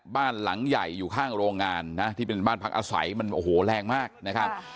บ้านหลังใหญ่อยู่ข้างโรงงานนะที่เป็นบ้านพักอาศัยมันโอ้โหแรงมากนะครับ